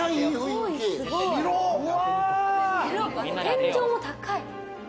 天井も高い。